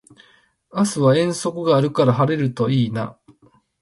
明日は遠足があるから晴れるといいな